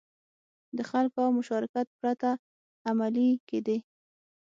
د خلکو له مشارکت پرته عملي کېدې.